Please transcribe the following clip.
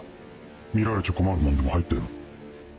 見られちゃ困るもんでも入ってんの？